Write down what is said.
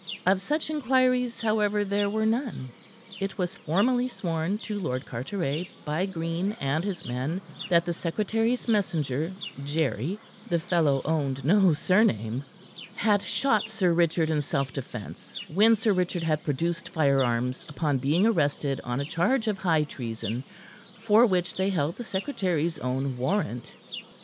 Of such inquiries, however, there were none. It was formally sworn to Lord Carteret by Green and his men that the secretary's messenger, Jerry the fellow owned no surname had shot Sir Richard in self defence, when Sir Richard had produced firearms upon being arrested on a charge of high treason, for which they held the secretary's own warrant.